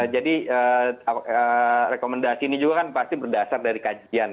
jadi rekomendasi ini juga pasti berdasar dari kajian